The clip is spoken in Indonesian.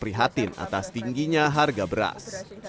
prihatin atas tingginya harga beras